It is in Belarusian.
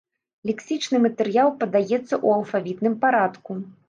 Лексічны матэрыял падаецца ў алфавітным парадку.